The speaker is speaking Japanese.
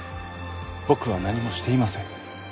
僕は何もしていません。